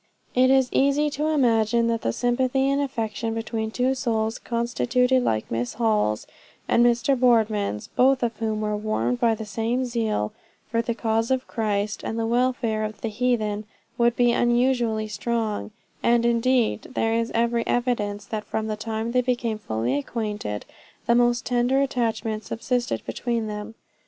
It is easy to imagine that the sympathy and affection between two souls constituted like Miss Hall's and Mr. Boardman's, both of whom were warmed by the same zeal for the cause of Christ and the welfare of the heathen, would be unusually strong; and indeed there is every evidence, that from the time they became fully acquainted, the most tender attachment subsisted between them.